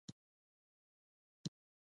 د میوو ټوکرۍ له لرګیو جوړیږي.